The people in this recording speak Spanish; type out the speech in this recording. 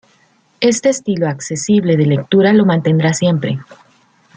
Este estilo accesible de lectura lo mantendrá siempre.